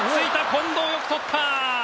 近藤、よくとった！